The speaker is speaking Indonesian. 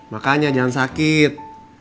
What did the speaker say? makanya jangan sakit